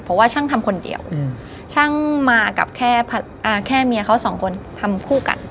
เพราะว่าช่างทำคนเดียวช่างมากับแค่เมียเขาสองคนทำคู่กัน